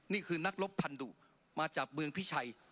นี่คือนักรบพันธุมาจากเมืองพิชัย